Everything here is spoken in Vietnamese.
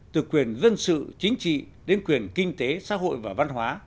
từ quyền dân sự chính trị đến quyền kinh tế xã hội và văn hóa